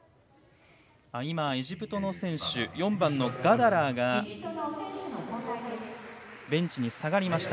今、エジプトの選手４番のガダラーがベンチに下がりました。